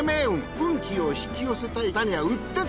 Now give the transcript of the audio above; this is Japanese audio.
運気を引き寄せたい方にはうってつけ！